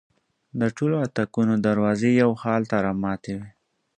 د ټولو اطاقونو دروازې یو حال ته رامتې وې.